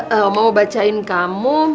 mama mau bacain kamu